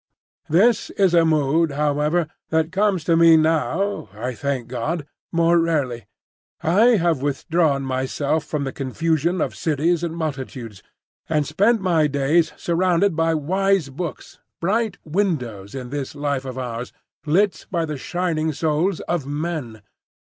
This is a mood, however, that comes to me now, I thank God, more rarely. I have withdrawn myself from the confusion of cities and multitudes, and spend my days surrounded by wise books,—bright windows in this life of ours, lit by the shining souls of men.